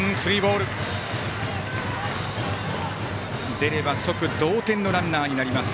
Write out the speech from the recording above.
出れば即同点のランナーになります。